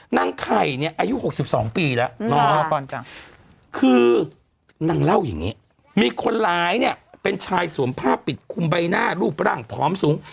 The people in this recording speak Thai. นางไข่เนี่ยอายุ๖๒ปีแล้วคือนางเล่าอย่างนี้มีคนร้ายเนี่ยเป็นชายสวมผ้าปิดคุมใบหน้ารูปร่างพร้อมสูง